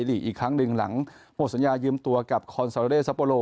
ลีกอีกครั้งหนึ่งหลังหมดสัญญายืมตัวกับคอนซาเรซัปโปโล